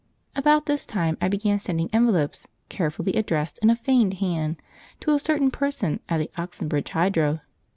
About this time I began sending envelopes, carefully addressed in a feigned hand, to a certain person at the Oxenbridge Hydro.